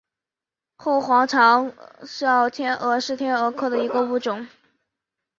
后黄长喙天蛾是天蛾科的一个物种。